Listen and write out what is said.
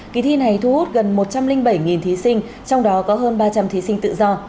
kỳ thi này thu hút gần một trăm linh bảy thí sinh trong đó có hơn ba trăm linh thí sinh tự do